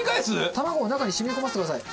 卵を中に染み込ませてください。